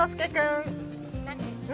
何歳ですか？